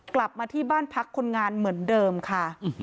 กลับมาที่บ้านพักคนงานเหมือนเดิมค่ะ